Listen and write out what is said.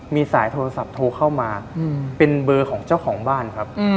มีสายโทรศัพท์โทรเข้ามาเป็นเบอร์ของเจ้าของบ้านครับ